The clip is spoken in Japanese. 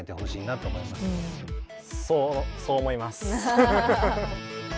そうそう思います。